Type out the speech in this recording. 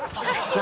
何？